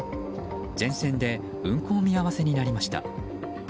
全線で運行見合わせになりました。